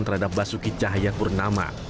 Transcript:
terhadap basuki cahayakurnama